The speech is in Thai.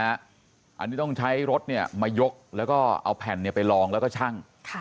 อันนี้ต้องใช้รถมายกแล้วก็เอาแผ่นไปลองแล้วก็ชั่ง